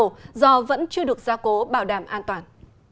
do vẫn chưa được gia cố bảo đảm an toàn